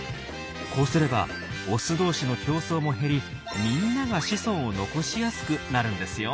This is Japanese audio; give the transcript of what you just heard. こうすればオス同士の競争も減りみんなが子孫を残しやすくなるんですよ。